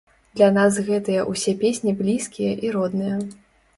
Для нас гэтыя ўсе песні блізкія і родныя.